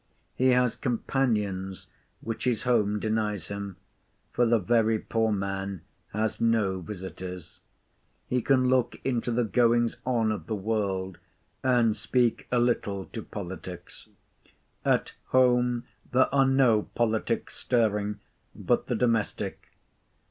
He has companions which his home denies him, for the very poor man has no visiters. He can look into the goings on of the world, and speak a little to politics. At home there are no politics stirring, but the domestic.